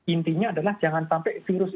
intinya adalah jangan sampai virus